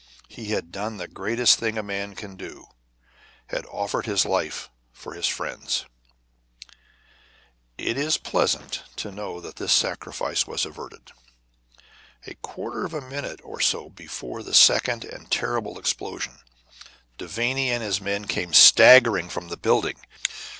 He had done the greatest thing a man can do had offered his life for his friends. It is pleasant to know that this sacrifice was averted. A quarter of a minute or so before the second and terrible explosion, Devanny and his men came staggering from the building.